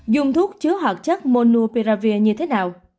dùng thuốc chứa hoạt chất monopiravir như thế nào